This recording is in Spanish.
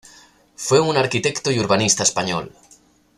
Fue un arquitecto y urbanista español.